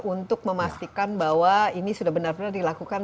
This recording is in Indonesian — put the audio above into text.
untuk memastikan bahwa ini sudah benar benar dilakukan